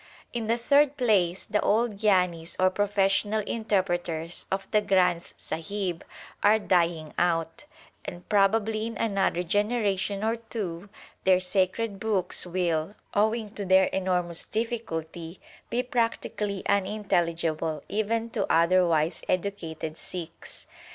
In the third place, the old gyanis or pro fessional interpreters of the Granth Sahib are dying out, and probably in another generation or two their sacred books will, owing to their enormous viii THE SIKH RELIGION difficulty, be practically unintelligible even to other wise educated Sikhs.